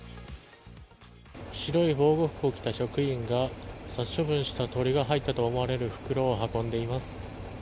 白い防護服を着た職員が殺処分した鶏が入ったと見られる袋を運んでいます。